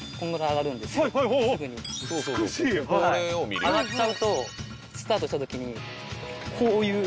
上がっちゃうとスタートした時にこういう。